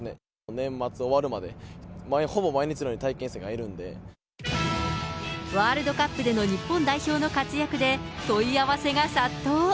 年末終わるまで、ほぼ毎日のようワールドカップでの日本代表の活躍で、問い合わせが殺到。